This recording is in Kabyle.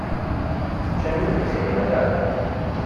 Teččam imensi neɣ ala?